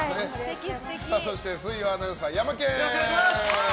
そして水曜アナウンサーヤマケン！